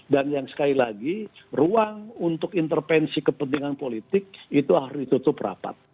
dan yang sekali lagi ruang untuk intervensi kepentingan politik itu harus ditutup rapat